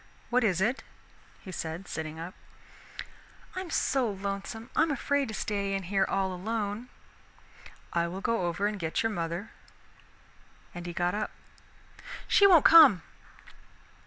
"What is it?" he said, sitting up. "I'm so lonesome, I'm afraid to stay in here all alone." "I will go over and get your mother." And he got up. "She won't come."